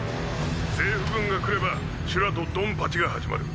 政府軍が来ればシュラとドンパチが始まる。